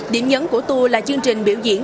điểm nhấn của tour là chương trình biểu diễn